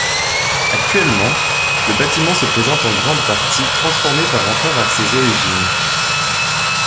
Actuellement, le bâtiment se présente en grande partie transformé par rapport à ses origines.